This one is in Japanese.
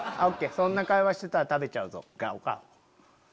「そんな会話してたら食べちゃうぞガオ」か。